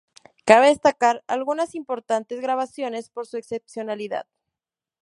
Cabe destacar algunas importantes grabaciones por su excepcionalidad.